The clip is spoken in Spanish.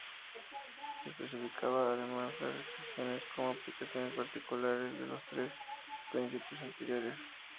Especificaba además las restricciones como aplicaciones particulares de los tres principios anteriores.